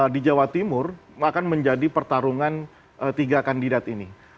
di jawa timur akan menjadi pertarungan tiga kandidat ini